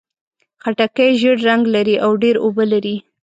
خټکی ژېړ رنګ لري او ډېر اوبه لري.